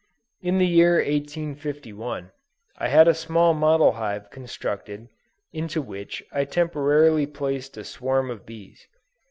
In the year 1851, I had a small model hive constructed, into which I temporarily placed a swarm of bees.